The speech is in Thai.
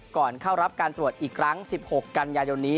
ก่อนเข้ารับการตรวจอีกครั้งสิบหกกันยันยัวนี้